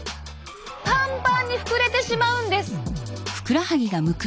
パンパンに膨れてしまうんです！